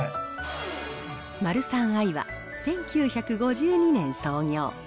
マルサンアイは、１９５２年創業。